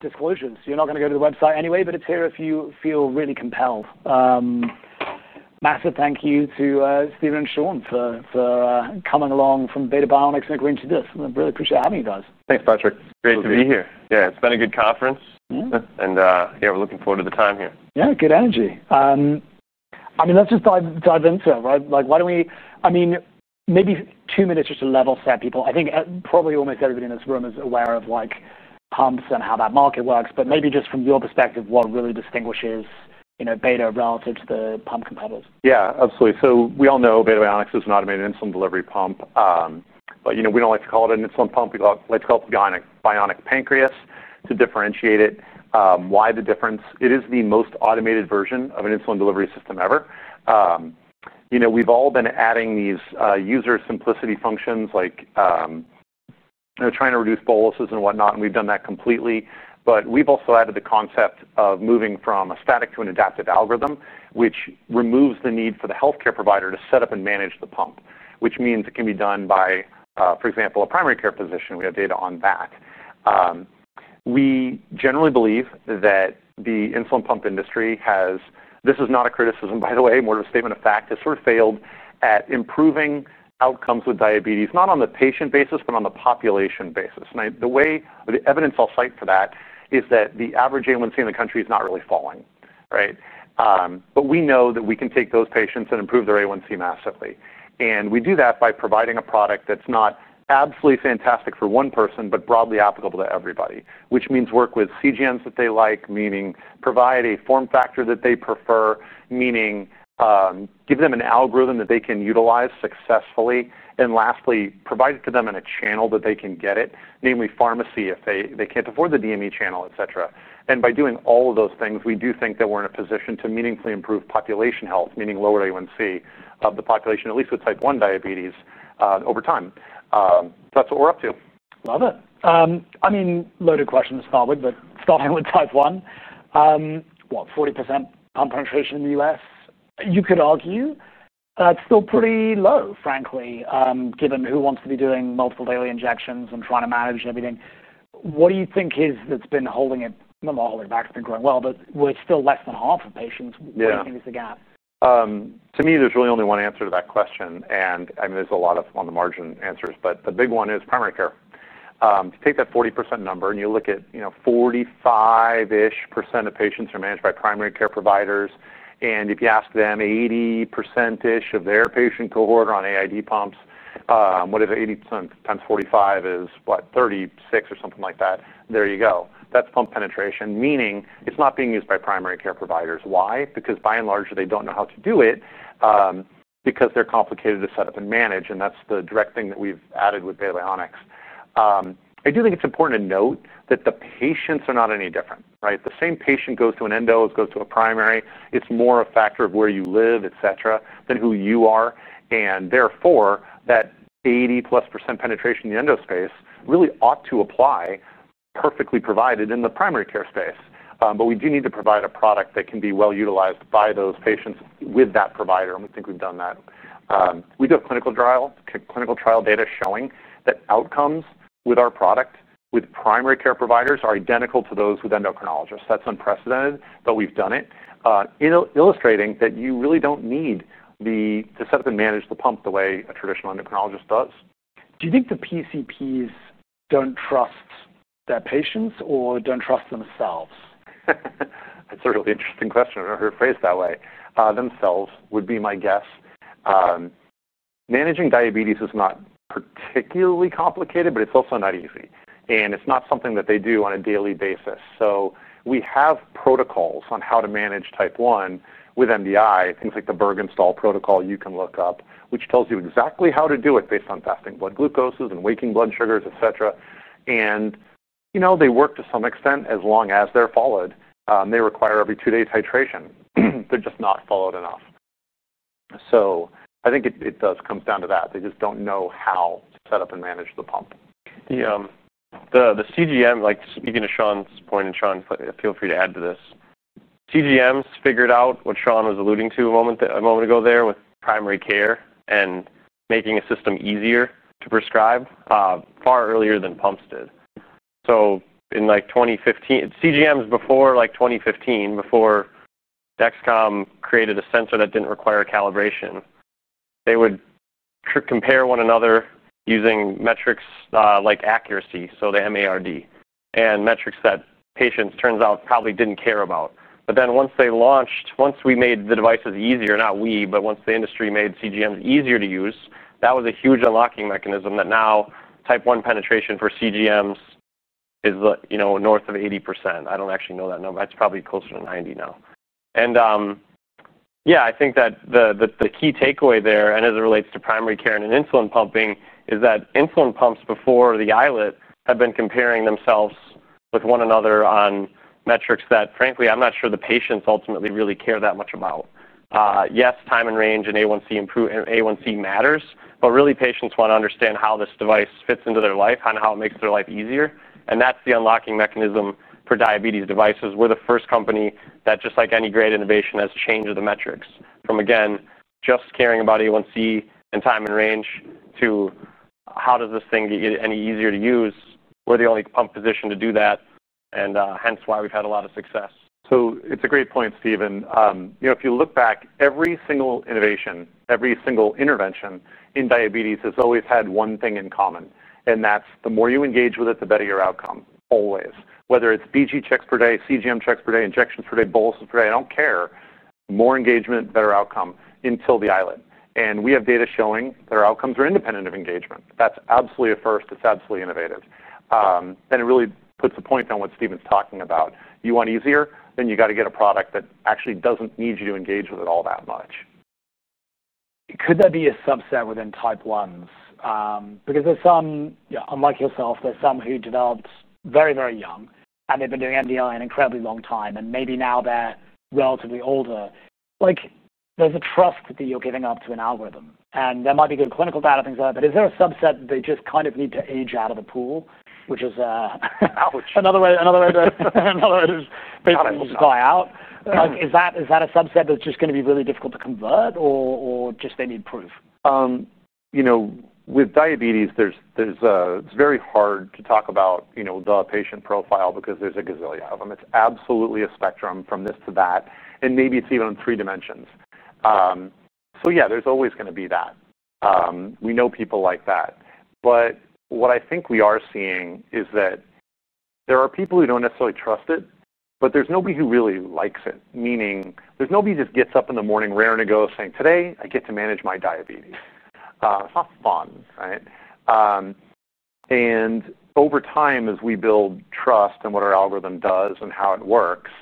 Disclosures, you're not going to go to the website anyway, but it's here if you feel really compelled. Massive thank you to Steven and Sean for coming along from Beta Bionics and agreeing to this. I really appreciate having you guys. Thanks, Patrick. Great to be here. Yeah, it's been a good conference. We're looking forward to the time here. Yeah, good energy. Let's just dive into it, right? Why don't we, maybe two minutes just to level set people. I think probably almost everybody in this room is aware of pumps and how that market works, but maybe just from your perspective, what really distinguishes, you know, Beta Bionics relative to the pump competitors? Yeah, absolutely. We all know Beta Bionics is an automated insulin delivery pump. We don't like to call it an insulin pump. We like to call it the Bionic Pancreas to differentiate it. Why the difference? It is the most automated version of an insulin delivery system ever. We've all been adding these user simplicity functions, like trying to reduce boluses and whatnot, and we've done that completely. We've also added the concept of moving from a static to an adaptive algorithm, which removes the need for the healthcare provider to set up and manage the pump, which means it can be done by, for example, a primary care physician. We have data on that. We generally believe that the insulin pump industry has, this is not a criticism, by the way, more of a statement of fact, has sort of failed at improving outcomes with diabetes, not on the patient basis, but on the population basis. The evidence I'll cite for that is that the average A1C in the country is not really falling, right? We know that we can take those patients and improve their A1C massively. We do that by providing a product that's not absolutely fantastic for one person, but broadly applicable to everybody, which means work with CGMs that they like, meaning provide a form factor that they prefer, meaning give them an algorithm that they can utilize successfully, and lastly, provide it to them in a channel that they can get it, namely pharmacy if they can't afford the DME channel, et cetera. By doing all of those things, we do think that we're in a position to meaningfully improve population health, meaning lower A1C of the population, at least with Type 1 diabetes over time. That's what we're up to. Love it. I mean, loaded question to start with, but starting with Type 1, what, 40% pump penetration in the U.S., you could argue that's still pretty low, frankly, given who wants to be doing multiple daily injections and trying to manage everything. What do you think is that's been holding it, not holding it back, it's been going well, but we're still less than half of patients, do you think is the gap? To me, there's really only one answer to that question. I mean, there's a lot of on-the-margin answers, but the big one is primary care. If you take that 40% number and you look at, you know, 45% of patients are managed by primary care providers. If you ask them, 80% of their patient cohort are on AID pumps. What is 80% times 45%, is what, 36% or something like that? There you go. That's pump penetration, meaning it's not being used by primary care providers. Why? Because by and large, they don't know how to do it because they're complicated to set up and manage. That's the direct thing that we've added with Beta Bionics. I do think it's important to note that the patients are not any different, right? The same patient goes to an endocrinologist, goes to a primary. It's more a factor of where you live, et cetera, than who you are. Therefore, that 80%+ penetration in the endocrinologist space really ought to apply perfectly provided in the primary care space. We do need to provide a product that can be well utilized by those patients with that provider, and we think we've done that. We do have clinical trial data showing that outcomes with our product with primary care providers are identical to those with endocrinologists. That's unprecedented, but we've done it, illustrating that you really don't need to set up and manage the pump the way a traditional endocrinologist does. Do you think the PCPs don't trust their patients or don't trust themselves? That's a really interesting question. I've never heard it phrased that way. Themselves would be my guess. Managing diabetes is not particularly complicated, but it's also not easy. It's not something that they do on a daily basis. We have protocols on how to manage Type 1 with MDI, things like the Bergen-Stahl protocol you can look up, which tells you exactly how to do it based on fasting blood glucoses and waking blood sugars, et cetera. They work to some extent as long as they're followed. They require every two day titration. They're just not followed enough. I think it does come down to that. They just don't know how to set up and manage the pump. Yeah, the CGM, like speaking to Sean's point, and Sean, feel free to add to this. CGMs figured out what Sean was alluding to a moment ago there with primary care and making a system easier to prescribe far earlier than pumps did. In 2015, CGMs before 2015, before Dexcom created a sensor that didn't require calibration, they would compare one another using metrics like accuracy, so the MARD, and metrics that patients turned out probably didn't care about. Once they launched, once we made the devices easier, not we, but once the industry made CGMs easier to use, that was a huge unlocking mechanism that now Type 1 penetration for CGMs is north of 80%. I don't actually know that number. It's probably closer to 90% now. I think that the key takeaway there, as it relates to primary care and insulin pumping, is that insulin pumps before the iLet have been comparing themselves with one another on metrics that, frankly, I'm not sure the patients ultimately really care that much about. Yes, time in range and A1C matters, but really, patients want to understand how this device fits into their life and how it makes their life easier. That's the unlocking mechanism for diabetes devices. We're the first company that, just like any great innovation, has changed the metrics from, again, just caring about A1C and time in range to how does this thing get any easier to use. We're the only pump positioned to do that, and hence why we've had a lot of success. It's a great point, Steven. You know, if you look back, every single innovation, every single intervention in diabetes has always had one thing in common, and that's the more you engage with it, the better your outcome, always. Whether it's BG checks per day, CGM checks per day, injections per day, boluses per day, I don't care. The more engagement, better outcome until the iLet. We have data showing that our outcomes are independent of engagement. That's absolutely a first. It's absolutely innovative. It really puts a point on what Steven's talking about. You want easier, then you got to get a product that actually doesn't need you to engage with it all that much. Could there be a subset within Type 1s? Because there's some, unlike yourself, there's some who developed very, very young, and they've been doing MDI an incredibly long time, and maybe now they're relatively older. There's a trust that you're giving up to an algorithm, and there might be good clinical data, things like that, but is there a subset that they just kind of need to age out of the pool, which is another way to die out? Is that a subset that's just going to be really difficult to convert, or just they need proof? You know, with diabetes, it's very hard to talk about the patient profile because there's a gazillion of them. It's absolutely a spectrum from this to that, and maybe it's even on three dimensions. There's always going to be that. We know people like that. What I think we are seeing is that there are people who don't necessarily trust it, but there's nobody who really likes it, meaning there's nobody who just gets up in the morning raring to go saying, "Today, I get to manage my diabetes." It's not fun, right? Over time, as we build trust in what our algorithm does and how it works,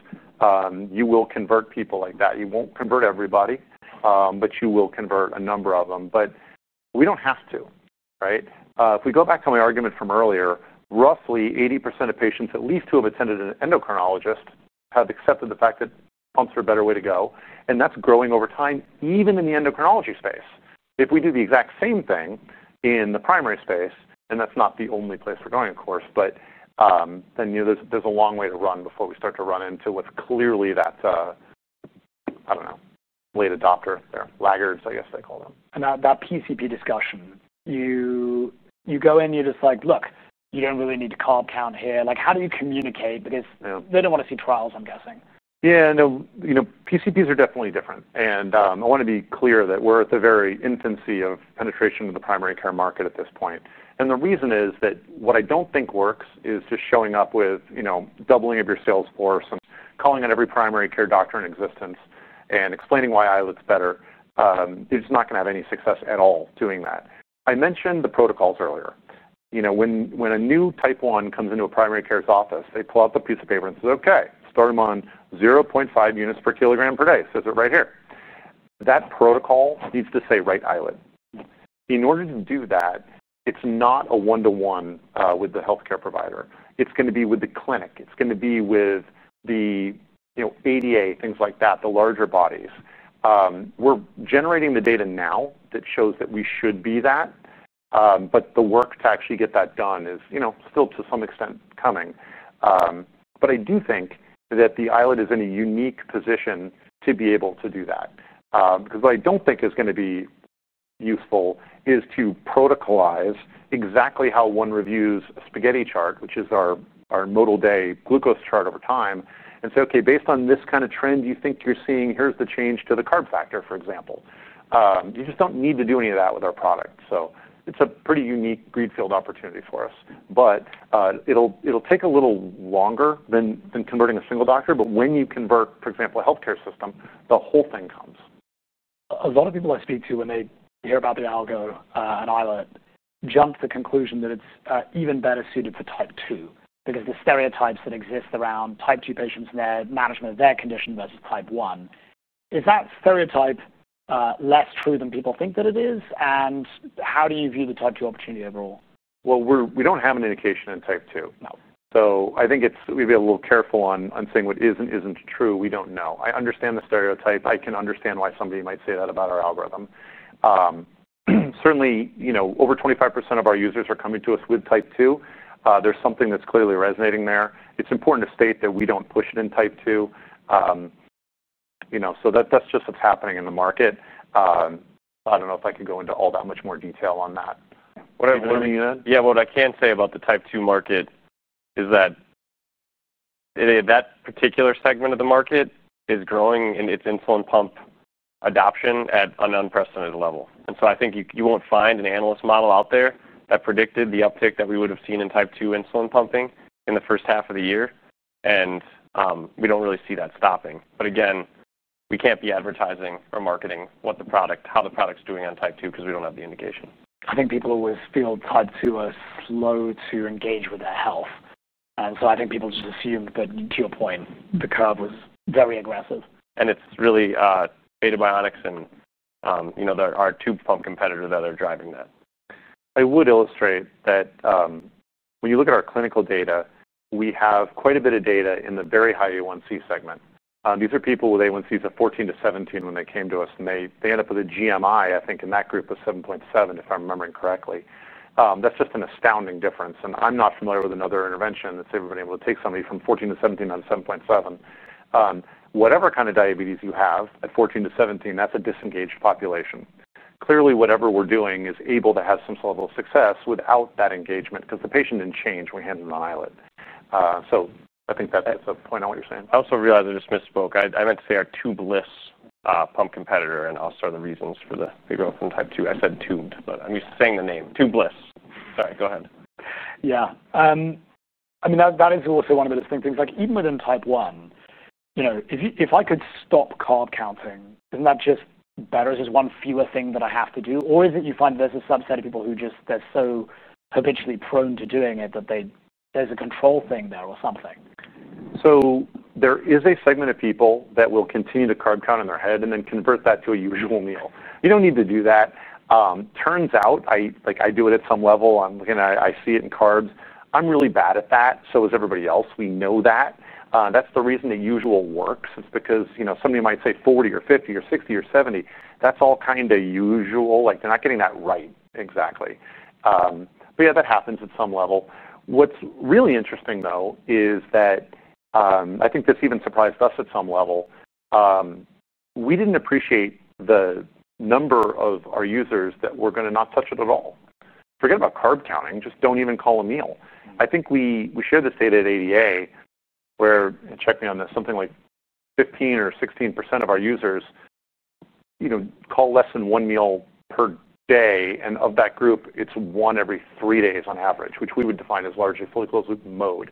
you will convert people like that. You won't convert everybody, but you will convert a number of them. We don't have to, right? If we go back to my argument from earlier, roughly 80% of patients, at least who have attended an endocrinologist, have accepted the fact that pumps are a better way to go. That's growing over time, even in the endocrinology space. If we do the exact same thing in the primary space, and that's not the only place we're going, of course, there's a long way to run before we start to run into what's clearly that, I don't know, late adopter, laggards, I guess they call them. Now that PCD discussion, you go in, you're just like, "Look, you don't really need to carb count here." How do you communicate? Because they don't want to see trials, I'm guessing. Yeah, no, you know, PCPs are definitely different. I want to be clear that we're at the very infancy of penetration to the primary care market at this point. The reason is that what I don't think works is just showing up with, you know, doubling of your sales force and calling on every primary care doctor in existence and explaining why iLet is better. It's not going to have any success at all doing that. I mentioned the protocols earlier. You know, when a new Type 1 comes into a primary care's office, they pull out the piece of paper and say, "Okay, start them on 0.5 units per kilogram per day." It says it right here. That protocol needs to say write iLet. In order to do that, it's not a one-to-one with the healthcare provider. It's going to be with the clinic. It's going to be with the ADA, things like that, the larger bodies. We're generating the data now that shows that we should be that. The work to actually get that done is, you know, still to some extent coming. I do think that the iLet is in a unique position to be able to do that. What I don't think is going to be useful is to protocolize exactly how one reviews a spaghetti chart, which is our modal day glucose chart over time, and say, "Okay, based on this kind of trend, you think you're seeing, here's the change to the carb factor," for example. You just don't need to do any of that with our product. It's a pretty unique greenfield opportunity for us. It'll take a little longer than converting a single doctor. When you convert, for example, a healthcare system, the whole thing comes. A lot of people I speak to, when they hear about the algorithm and iLet, jump to the conclusion that it's even better suited for Type 2 because the stereotypes that exist around Type 2 patients and their management of their condition versus Type 1. Is that stereotype less true than people think that it is? How do you view the Type 2 opportunity overall? We don't have an indication in Type 2. I think we'd be a little careful on saying what is and isn't true. We don't know. I understand the stereotype. I can understand why somebody might say that about our algorithm. Certainly, you know, over 25% of our users are coming to us with Type 2. There's something that's clearly resonating there. It's important to state that we don't push it in Type 2. That's just what's happening in the market. I don't know if I could go into all that much more detail on that. Yeah, what I can say about the Type 2 market is that that particular segment of the market is growing in its insulin pump adoption at an unprecedented level. I think you won't find an analyst model out there that predicted the uptick that we would have seen in Type 2 insulin pumping in the first half of the year. We don't really see that stopping. Again, we can't be advertising or marketing what the product, how the product's doing on Type 2 because we don't have the indication. I think people always feel Type 2 are slow to engage with their health. I think people just assumed that, to your point, the curve was very aggressive. It is really Beta Bionics and, you know, our tube pump competitor that are driving that. I would illustrate that when you look at our clinical data, we have quite a bit of data in the very high A1C segment. These are people with A1Cs of 14-17 when they came to us. They end up with a GMI, I think, in that group of 7.7, if I'm remembering correctly. That is just an astounding difference. I am not familiar with another intervention that's ever been able to take somebody from 14-17 on 7.7. Whatever kind of diabetes you have at 14-17, that is a disengaged population. Clearly, whatever we're doing is able to have some level of success without that engagement because the patient didn't change when we handed them the iLet. I think that's a point on what you're saying. I also realized I just misspoke. I meant to say our tubeless pump competitor, and I'll start the reasons for the growth in Type 2. I said tuned, but I'm just saying the name, tubeless. Sorry, go ahead. Yeah, I mean, that is also one of those things. Even within Type 1, you know, if I could stop carb counting, isn't that just better? Is this one feeler thing that I have to do, or do you find that there's a subset of people who just, they're so habitually prone to doing it that there's a control thing there or something? There is a segment of people that will continue to carb count in their head and then convert that to a usual meal. You don't need to do that. Turns out, I do it at some level. I'm looking at it. I see it in carbs. I'm really bad at that. Everybody else is too. We know that. That's the reason the usual works. It's because, you know, somebody might say 40 or 50 or 60 or 70. That's all kind of usual. They're not getting that right exactly. That happens at some level. What's really interesting, though, is that I think this even surprised us at some level. We didn't appreciate the number of our users that were going to not touch it at all. Forget about carb counting. Just don't even call a meal. I think we share this data at ADA where, and check me on this, something like 15% or 16% of our users call less than one meal per day. Of that group, it's one every three days on average, which we would define as largely fully closed loop mode.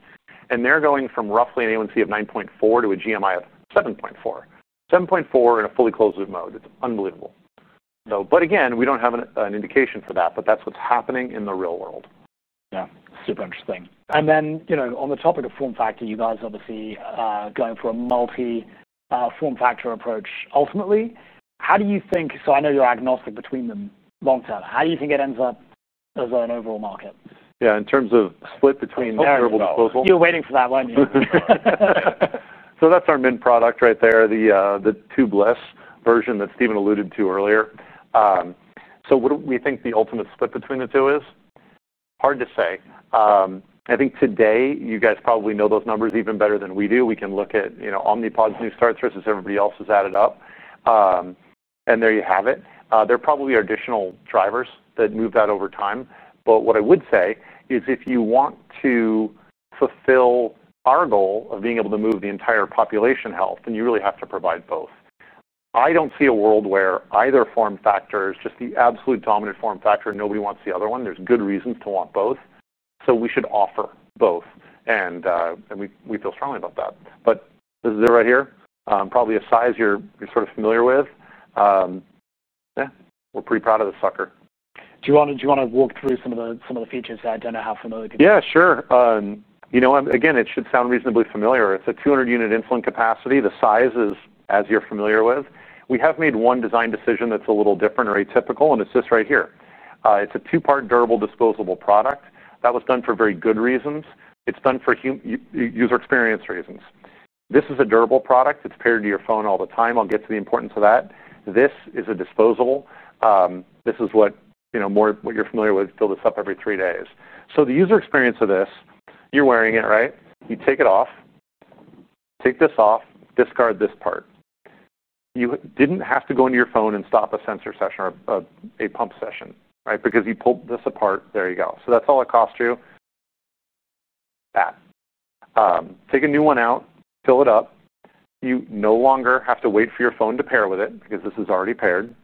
They're going from roughly an A1C of 9.4 to a GMI of 7.4. 7.4 in a fully closed loop mode. It's unbelievable. We don't have an indication for that, but that's what's happening in the real world. Yeah, super interesting. On the topic of form factor, you guys obviously are going for a multi-form factor approach. Ultimately, how do you think, I know you're agnostic between them long term, how do you think it ends up as an overall market? Yeah, in terms of split between variable. You were waiting for that, weren't you? That's our mid-product right there, the tubeless version that Steven alluded to earlier. What do we think the ultimate split between the two is? Hard to say. I think today you guys probably know those numbers even better than we do. We can look at Omnipod's new starts versus everybody else's added up, and there you have it. There are probably additional drivers that move that over time. What I would say is if you want to fulfill our goal of being able to move the entire population health, then you really have to provide both. I don't see a world where either form factor is just the absolute dominant form factor and nobody wants the other one. There's good reasons to want both, so we should offer both. We feel strongly about that. This is it right here, probably a size you're sort of familiar with. Yeah, we're pretty proud of the sucker. Do you want to walk through some of the features that I don't know how familiar people are? Yeah, sure. You know, again, it should sound reasonably familiar. It's a 200 unit insulin capacity. The size is as you're familiar with. We have made one design decision that's a little different or atypical, and it's this right here. It's a two-part durable disposable product. That was done for very good reasons. It's done for user experience reasons. This is a durable product. It's paired to your phone all the time. I'll get to the importance of that. This is a disposable. This is what, you know, more of what you're familiar with. Fill this up every three days. The user experience of this, you're wearing it, right? You take it off, take this off, discard this part. You didn't have to go into your phone and stop a sensor session or a pump session, right? Because you pulled this apart. There you go. That's all it costs you. Take a new one out, fill it up. You no longer have to wait for your phone to pair with it because this is already paired.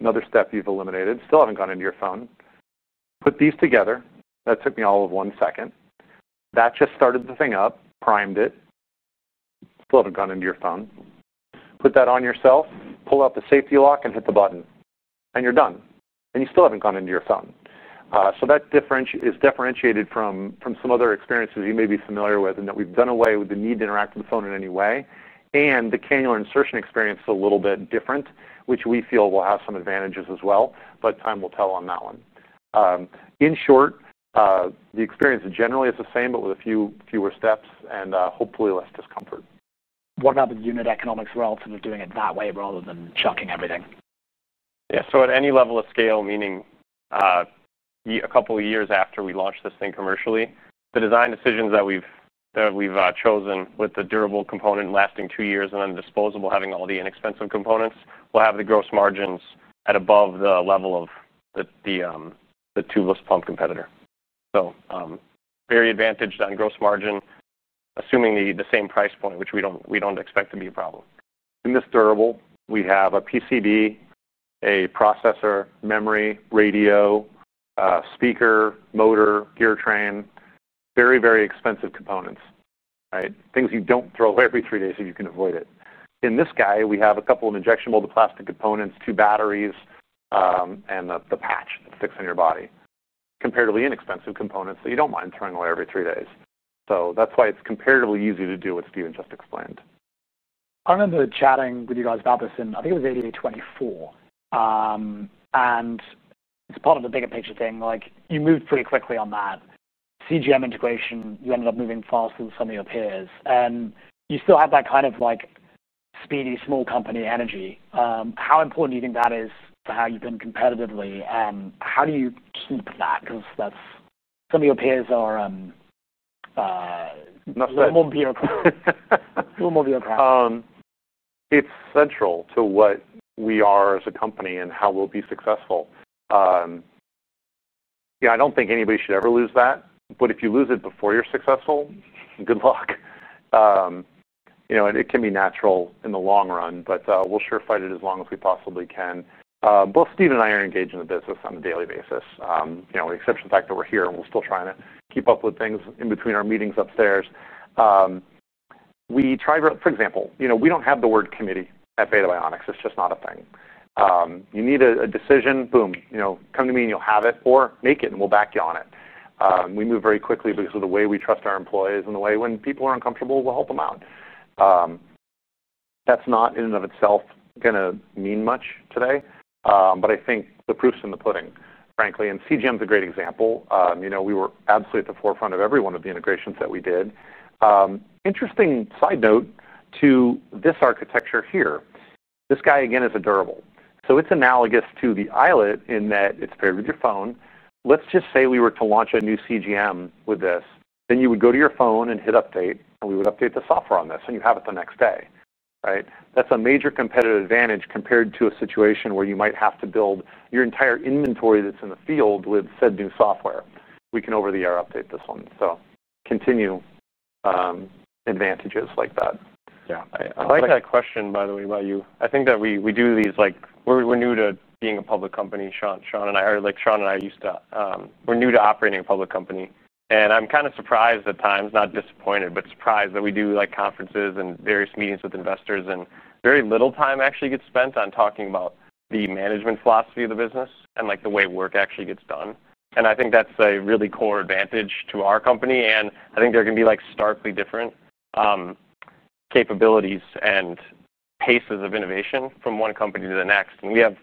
Another step you've eliminated. Still haven't gone into your phone. Put these together. That took me all of one second. That just started the thing up, primed it. Still haven't gone into your phone. Put that on yourself, pull out the safety lock and hit the button. You're done. You still haven't gone into your phone. That is differentiated from some other experiences you may be familiar with in that we've done away with the need to interact with the phone in any way. The cannula insertion experience is a little bit different, which we feel will have some advantages as well. Time will tell on that one. In short, the experience generally is the same, but with a few fewer steps and hopefully less discomfort. What about the unit economics relative to doing it that way rather than chucking everything? Yeah, at any level of scale, meaning a couple of years after we launched this thing commercially, the design decisions that we've chosen with the durable component lasting two years and then the disposable having all the inexpensive components will have the gross margins at above the level of the tubeless pump competitor. Very advantaged on gross margin, assuming the same price point, which we don't expect to be a problem. In this durable, we have a PCB, a processor, memory, radio, speaker, motor, gear train, very, very expensive components, right? Things you don't throw away every three days so you can avoid it. In this guy, we have a couple of injection molded plastic components, two batteries, and the patch that fits in your body. Comparatively inexpensive components that you don't mind throwing away every three days. That's why it's comparatively easy to do what Steven just explained. I remember chatting with you guys about this in, I think it was ADA 2024. It's part of the bigger picture thing. You moved pretty quickly on that CGM integration, you ended up moving faster than some of your peers. You still have that kind of speedy, small company energy. How important do you think that is for how you've been competitively? How do you keep that? Some of your peers are a little more bureaucratic. It's central to what we are as a company and how we'll be successful. I don't think anybody should ever lose that. If you lose it before you're successful, good luck. It can be natural in the long run, but we'll sure fight it as long as we possibly can. Both Steven and I are engaged in the business on a daily basis. The exception fact over here, we're still trying to keep up with things in between our meetings upstairs. We try, for example, we don't have the word committee at Beta Bionics. It's just not a thing. You need a decision, boom, come to me and you'll have it or make it and we'll back you on it. We move very quickly because of the way we trust our employees and the way when people are uncomfortable, we'll help them out. That's not in and of itself going to mean much today. I think the proof's in the pudding, frankly. CGM is a great example. We were absolutely at the forefront of every one of the integrations that we did. Interesting side note to this architecture here. This guy, again, is a durable. It's analogous to the iLet in that it's paired with your phone. Let's just say we were to launch a new CGM with this. You would go to your phone and hit update, and we would update the software on this, and you have it the next day, right? That's a major competitive advantage compared to a situation where you might have to build your entire inventory that's in the field with said new software. We can over-the-air update this one. Continue advantages like that. Yeah, I like that question, by the way, about you. I think that we do these, like, we're new to being a public company. Sean and I heard, like, Sean and I used to, we're new to operating a public company. I'm kind of surprised at times, not disappointed, but surprised that we do, like, conferences and various meetings with investors, and very little time actually gets spent on talking about the management philosophy of the business and the way work actually gets done. I think that's a really core advantage to our company. I think there can be starkly different capabilities and paces of innovation from one company to the next. We have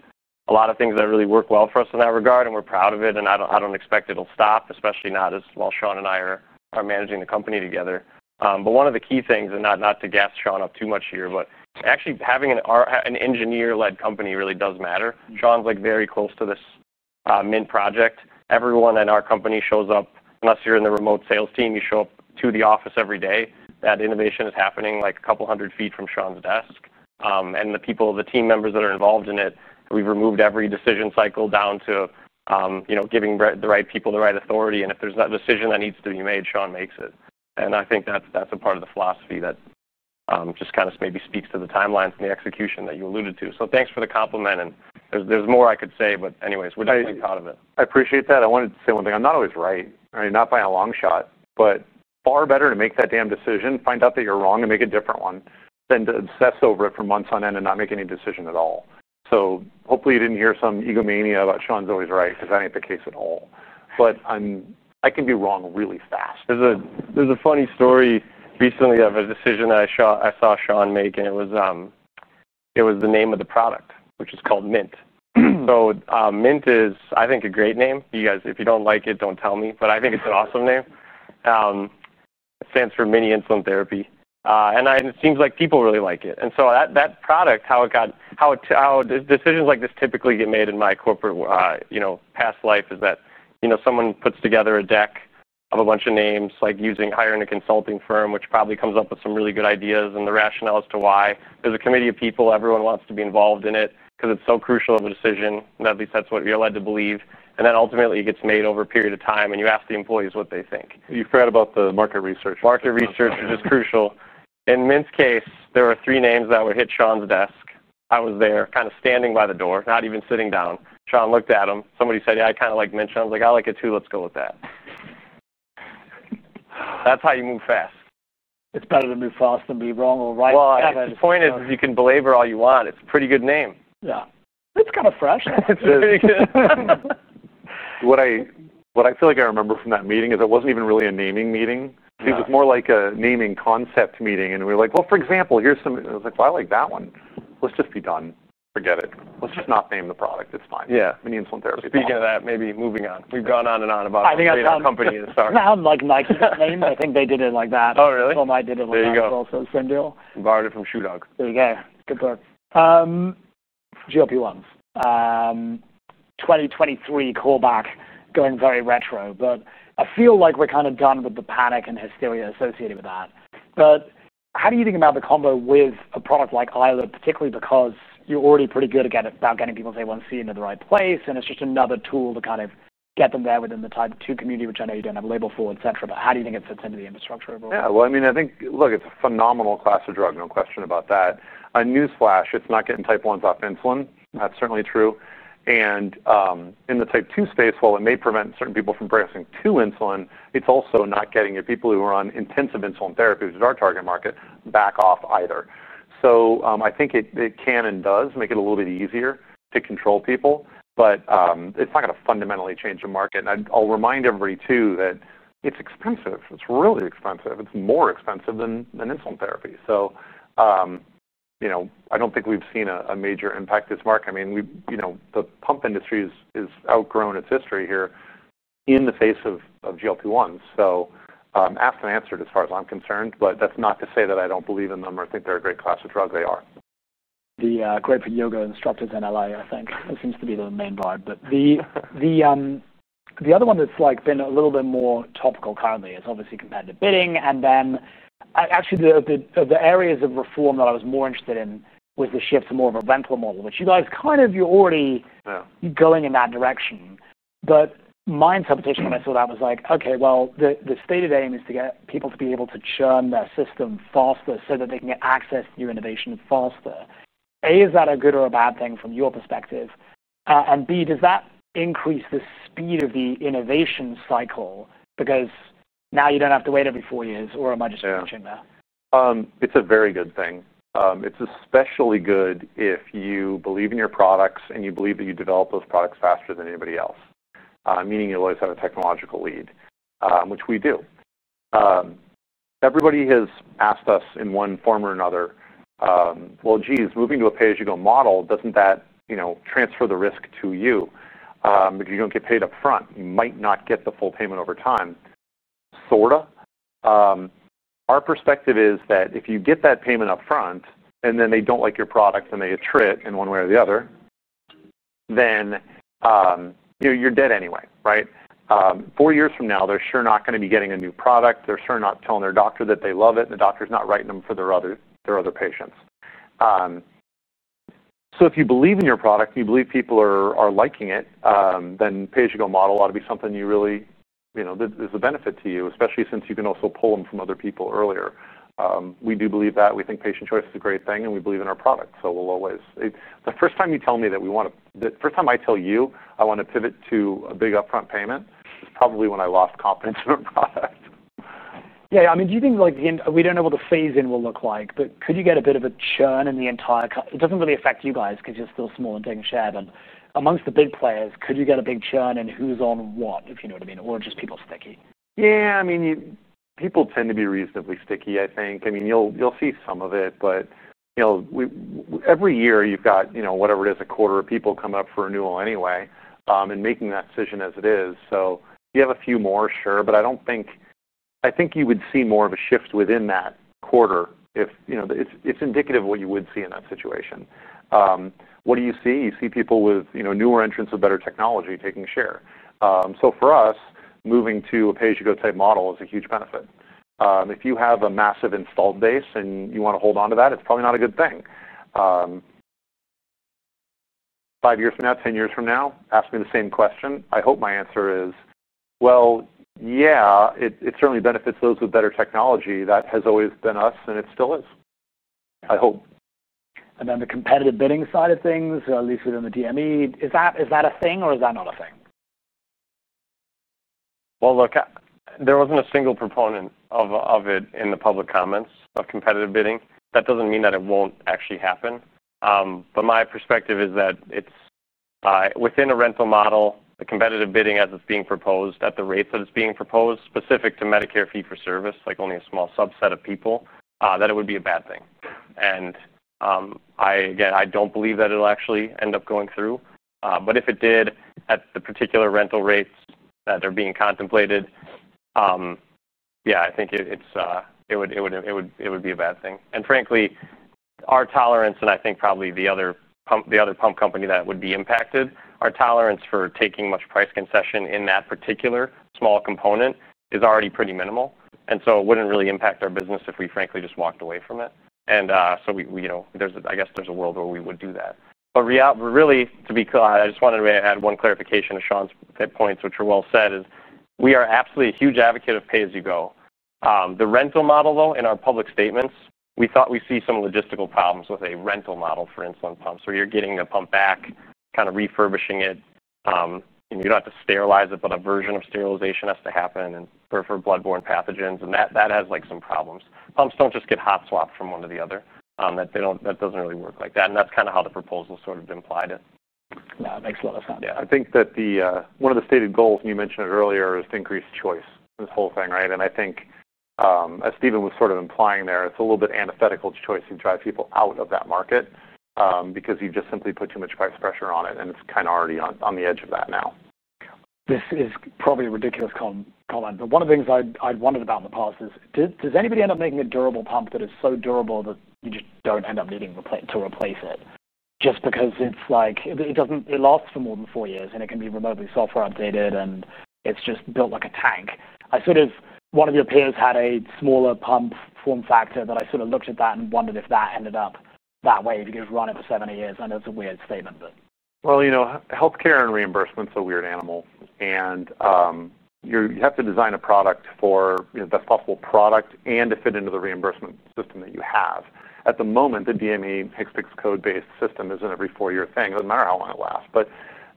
a lot of things that really work well for us in that regard, and we're proud of it. I don't expect it'll stop, especially not as well. Sean and I are managing the company together. One of the key things, and not to gas Sean up too much here, but actually having an engineer-led company really does matter. Sean's very close to this mid-project. Everyone in our company shows up, unless you're in the remote sales team, you show up to the office every day. That innovation is happening like a couple hundred feet from Sean's desk. The people, the team members that are involved in it, we've removed every decision cycle down to giving the right people the right authority. If there's a decision that needs to be made, Sean makes it. I think that's a part of the philosophy that just kind of maybe speaks to the timelines and the execution that you alluded to. Thanks for the compliment. There's more I could say, but anyways, we're definitely proud of it. I appreciate that. I wanted to say one thing. I'm not always right, right? Not by a long shot. Far better to make that damn decision, find out that you're wrong, and make a different one than to obsess over it for months on end and not make any decision at all. Hopefully you didn't hear some egomania about Sean's always right, because that ain't the case at all. I can be wrong really fast. There's a funny story recently of a decision I saw Sean make, and it was the name of the product, which is called Mint. Mint is, I think, a great name. You guys, if you don't like it, don't tell me, but I think it's an awesome name. It stands for mini insulin therapy. It seems like people really like it. That product, how it got, how decisions like this typically get made in my corporate past life is that someone puts together a deck of a bunch of names, like using hiring a consulting firm, which probably comes up with some really good ideas and the rationale as to why. There's a committee of people. Everyone wants to be involved in it because it's so crucial of a decision. At least that's what you're led to believe. Ultimately, it gets made over a period of time, and you ask the employees what they think. You forgot about the market research. Market research, which is crucial. In Mint's case, there were three names that would hit Sean's desk. I was there kind of standing by the door, not even sitting down. Sean looked at them. Somebody said, "Yeah, I kind of like Mint." Sean's like, "I like it too. Let's go with that." That's how you move fast. It's better to move fast than be wrong or right. I guess the point is, if you can belabor all you want, it's a pretty good name. Yeah, it's kind of fresh. What I feel like I remember from that meeting is it wasn't even really a naming meeting. It was more like a naming concept meeting. We were like, "For example, here's some." I was like, "I like that one. Let's just be done. Forget it. Let's just not name the product. It's fine. Yeah. Mini insulin therapy. Speaking of that, maybe moving on. We've gone on and on about the company. I think I found nice names. I think they did it like that. Oh, really? Mine did it a little bit as well. Same deal. I borrowed it from Shoe Dog. There you go. Good book. GLP-1s. 2023 callback, going very retro, but I feel like we're kind of done with the panic and hysteria associated with that. How do you think about the combo with a product like iLet, particularly because you're already pretty good about getting people's A1C into the right place, and it's just another tool to kind of get them there within the Type 2 community, which I know you don't have a label for, et cetera, but how do you think it fits into the infrastructure? Yeah, I mean, I think, look, it's a phenomenal class of drug, no question about that. Newsflash, it's not getting Type 1s off insulin. That's certainly true. In the Type 2 space, while it may prevent certain people from pressing to insulin, it's also not getting your people who are on intensive insulin therapy, which is our target market, back off either. I think it can and does make it a little bit easier to control people, but it's not going to fundamentally change the market. I'll remind everybody too that it's expensive. It's really expensive. It's more expensive than insulin therapy. I don't think we've seen a major impact to this market. I mean, the pump industry has outgrown its history here in the face of GLP-1s. Asked and answered as far as I'm concerned, but that's not to say that I don't believe in them or think they're a great class of drug. They are. The grapefruit yoga and disruptive NLI, I think, seems to be the main vibe. The other one that's been a little bit more topical currently is obviously competitive bidding. Actually, of the areas of reform that I was more interested in was the shift to more of a rental model, which you guys are already going in that direction. My interpretation when I saw that was like, okay, the stated aim is to get people to be able to churn their system faster so that they can get access to your innovation faster. A, is that a good or a bad thing from your perspective? B, does that increase the speed of the innovation cycle because now you don't have to wait every four years or a magistrate or a junior? It's a very good thing. It's especially good if you believe in your products and you believe that you develop those products faster than anybody else, meaning you always have a technological lead, which we do. Everybody has asked us in one form or another, geez, moving to a pay-as-you-go model, doesn't that transfer the risk to you? If you don't get paid up front, you might not get the full payment over time. Sort of. Our perspective is that if you get that payment up front and then they don't like your product and they attrit in one way or the other, then you're dead anyway, right? Four years from now, they're sure not going to be getting a new product. They're sure not telling their doctor that they love it, and the doctor's not writing them for their other patients. If you believe in your product and you believe people are liking it, then pay-as-you-go model ought to be something you really, you know, there's a benefit to you, especially since you can also pull them from other people earlier. We do believe that. We think patient choice is a great thing, and we believe in our product. The first time you tell me that we want to, the first time I tell you I want to pivot to a big upfront payment, it's probably when I lost confidence in the product. Yeah, I mean, do you think like the end, we don't know what the phase in will look like, but could you get a bit of a churn in the entire, it doesn't really affect you guys because you're still small and taking a share, but amongst the big players, could you get a big churn and who's on what, if you know what I mean, or just people sticky? Yeah, I mean, people tend to be reasonably sticky, I think. You'll see some of it, but every year you've got, whatever it is, a quarter of people come up for renewal anyway and making that decision as it is. You have a few more, sure, but I don't think you would see more of a shift within that quarter if it's indicative of what you would see in that situation. What do you see? You see people with newer entrants with better technology taking a share. For us, moving to a pay-as-you-go type model is a huge benefit. If you have a massive installed base and you want to hold on to that, it's probably not a good thing. Five years from now, ten years from now, asking the same question, I hope my answer is, yeah, it certainly benefits those with better technology. That has always been us, and it still is, I hope. The competitive bidding side of things, at least within the DME, is that a thing or is that not a thing? There wasn't a single proponent of it in the public comments of competitive bidding. That doesn't mean that it won't actually happen. My perspective is that it's within a rental model, the competitive bidding as it's being proposed at the rates that it's being proposed, specific to Medicare fee-for-service, like only a small subset of people, that it would be a bad thing. I don't believe that it'll actually end up going through. If it did at the particular rental rates that are being contemplated, I think it would be a bad thing. Frankly, our tolerance, and I think probably the other pump company that would be impacted, our tolerance for taking much price concession in that particular small component is already pretty minimal. It wouldn't really impact our business if we frankly just walked away from it. I guess there's a world where we would do that. Really, to be clear, I just wanted to add one clarification to Sean's points, which are well said, is we are absolutely a huge advocate of pay-as-you-go. The rental model, though, in our public statements, we thought we'd see some logistical problems with a rental model for insulin pumps. You're getting the pump back, kind of refurbishing it. You don't have to sterilize it, but a version of sterilization has to happen for bloodborne pathogens. That has some problems. Pumps don't just get hot swapped from one to the other. That doesn't really work like that. That's kind of how the proposal sort of implied it. Yeah, that makes a lot of sense. Yeah, I think that one of the stated goals, and you mentioned it earlier, is to increase choice, this whole thing, right? I think, as Steven was sort of implying there, it's a little bit antithetical to choice to drive people out of that market because you've just simply put too much price pressure on it. It's kind of already on the edge of that now. This is probably a ridiculous comment, but one of the things I'd wondered about in the past is, does anybody end up making a durable pump that is so durable that you just don't end up needing to replace it? Just because it's like, it doesn't, it lasts for more than four years, and it can be remotely software updated, and it's just built like a tank. I sort of, one of your peers had a smaller pump form factor that I looked at and wondered if that ended up that way because we've run it for so many years. I know it's a weird statement, but. You know, healthcare and reimbursement is a weird animal. You have to design a product for the best possible product and to fit into the reimbursement system that you have. At the moment, the DME hex fix code-based system is an every four year thing. It doesn't matter how long it lasts.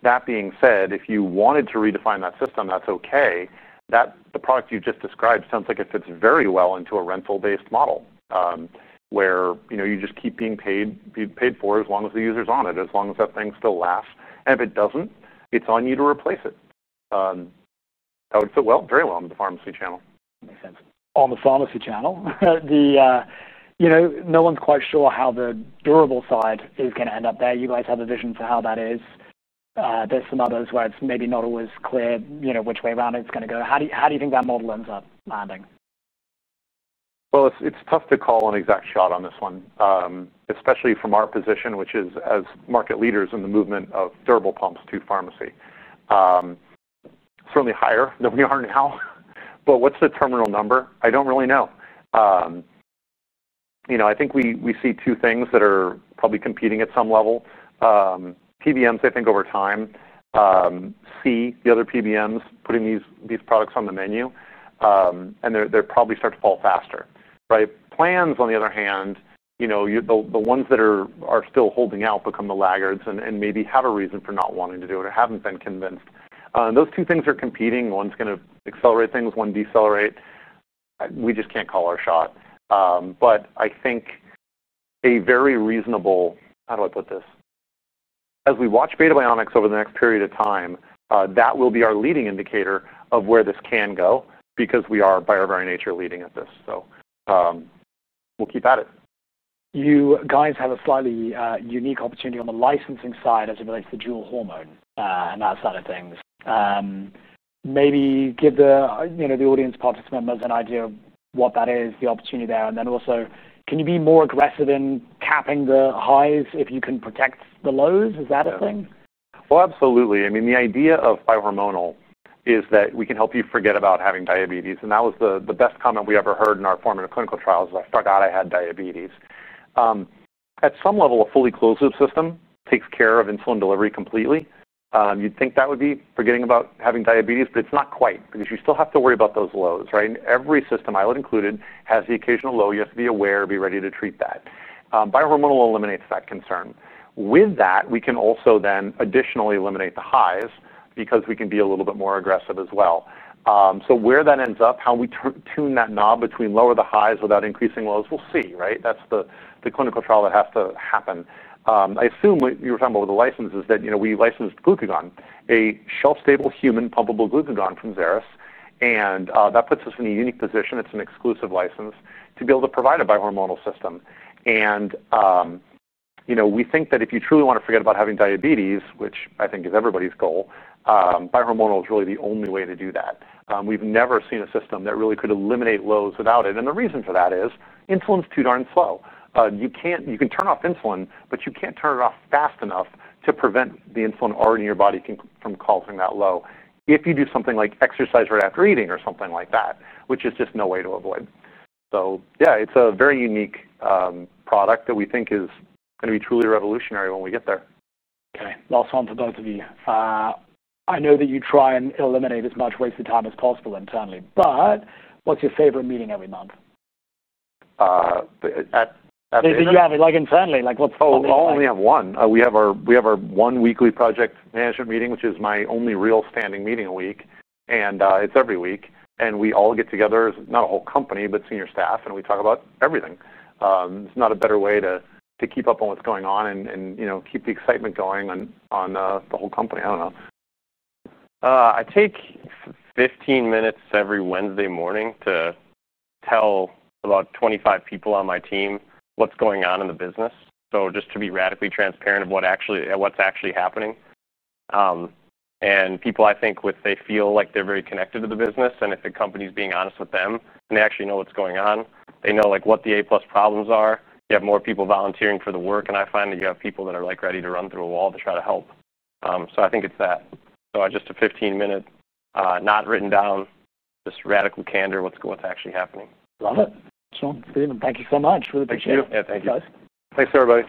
That being said, if you wanted to redefine that system, that's okay. The product you just described sounds like it fits very well into a rental based model where you just keep being paid for as long as the user's on it, as long as that thing still lasts. If it doesn't, it's on you to replace it. That would fit very well into the pharmacy channel. Makes sense. On the pharmacy channel, no one's quite sure how the durable side is going to end up there. You guys have a vision for how that is. There's some others where it's maybe not always clear which way round it's going to go. How do you think that model ends up landing? It's tough to call an exact shot on this one, especially from our position, which is as market leaders in the movement of durable pumps to pharmacy. Certainly higher than we are now. What's the terminal number? I don't really know. I think we see two things that are probably competing at some level. PBMs, I think, over time see the other PBMs putting these products on the menu, and they're probably starting to fall faster, right? Plans, on the other hand, the ones that are still holding out become the laggards and maybe have a reason for not wanting to do it or haven't been convinced. Those two things are competing. One's going to accelerate things, one decelerate. We just can't call our shot. I think a very reasonable, how do I put this, as we watch Beta Bionics over the next period of time, that will be our leading indicator of where this can go because we are, by our very nature, leading at this. We'll keep at it. You guys have a slightly unique opportunity on the licensing side as it relates to dual hormone and that side of things. Maybe give the audience participants an idea of what that is, the opportunity there. Can you be more aggressive in capping the highs if you can protect the lows? Is that a thing? Oh, absolutely. I mean, the idea of bihormonal is that we can help you forget about having diabetes. That was the best comment we ever heard in our formative clinical trials: I forgot I had diabetes. At some level, a fully closed-loop system takes care of insulin delivery completely. You'd think that would be forgetting about having diabetes, but it's not quite because you still have to worry about those lows, right? Every system, I would include, has the occasional low. You have to be aware and be ready to treat that. Bihormonal eliminates that concern. With that, we can also then additionally eliminate the highs because we can be a little bit more aggressive as well. Where that ends up, how we tune that knob between lowering the highs without increasing lows, we'll see, right? That's the clinical trial that has to happen. I assume what you were talking about with the license is that, you know, we licensed glucagon, a shelf-stable human pumpable glucagon from Xeris. That puts us in a unique position. It's an exclusive license to be able to provide a bihormonal system. We think that if you truly want to forget about having diabetes, which I think is everybody's goal, bihormonal is really the only way to do that. We've never seen a system that really could eliminate lows without it. The reason for that is insulin's too darn slow. You can turn off insulin, but you can't turn it off fast enough to prevent the insulin already in your body from causing that low if you do something like exercise right after eating or something like that, which is just no way to avoid. It's a very unique product that we think is going to be truly revolutionary when we get there. Okay, last one for both of you. I know that you try and eliminate as much wasted time as possible internally, but what's your favorite meeting every month? At the. You have it internally, like what's the only one. We have our one weekly project management meeting, which is my only real standing meeting a week. It's every week. We all get together, not as a whole company, but senior staff, and we talk about everything. There's not a better way to keep up on what's going on and keep the excitement going on the whole company. I don't know. I take 15 minutes every Wednesday morning to tell about 25 people on my team what's going on in the business. Just to be radically transparent of what's actually happening. People, I think, if they feel like they're very connected to the business and if the company's being honest with them and they actually know what's going on, they know what the A-plus problems are. You have more people volunteering for the work, and I find that you have people that are ready to run through a wall to try to help. I think it's that. I just do 15 minute, not written down, just radical candor, what's actually happening. Love it. Sean, Steven, thank you so much. Really appreciate it. Thank you. Thanks, everybody.